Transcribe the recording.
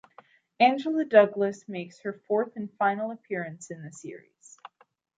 Angela Douglas makes her fourth and final appearance in the series.